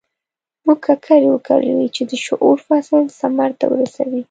موږ ککرې وکرلې چې د شعور فصل ثمر ته ورسوي.